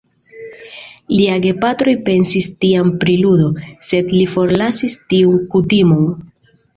Lia gepatroj pensis tiam pri ludo, sed li forlasis tiun kutimon.